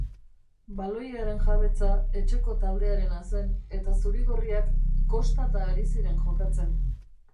Baloiaren jabetza etxeko taldearena zen eta zuri-gorriak kostata ari ziren jokatzen.